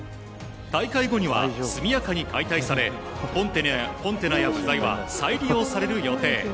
大会後には、速やかに解体されコンテナなどは再利用される予定。